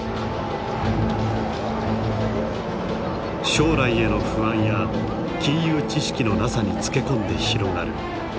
将来への不安や金融知識のなさにつけ込んで広がる闇の錬金術。